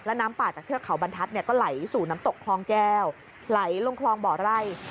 น้ำป่าจากเทือกเขาบรรทัศน์เนี่ยก็ไหลสู่น้ำตกคลองแก้วไหลลงคลองบ่อไร่